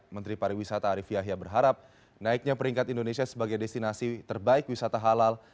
menteri pariwisata arief yahya berharap naiknya peringkat indonesia sebagai destinasi terbaik wisata halal